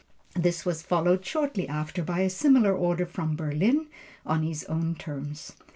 This was followed shortly after by a similar order from Berlin on his own terms.